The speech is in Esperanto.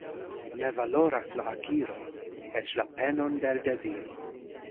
Ne valoras la akiro eĉ la penon de l' deziro.